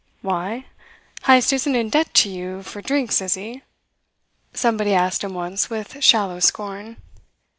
"Why? Heyst isn't in debt to you for drinks is he?" somebody asked him once with shallow scorn.